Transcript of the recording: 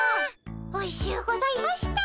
おいしゅうございました。